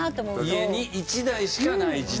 家に１台しかない時代の話。